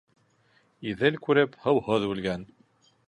Иҙел күреп, һыуһыҙ үлгән.